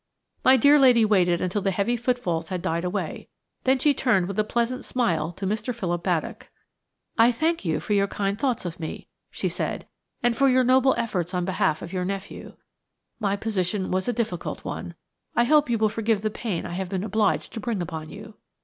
My dear lady waited until the heavy footfalls had died away; then she turned with a pleasant smile to Mr. Philip Baddock: "I thank you for your kind thoughts of me," she said, "and for your noble efforts on behalf of your nephew. My position was a difficult one. I hope you will forgive the pain I have been obliged to bring upon you."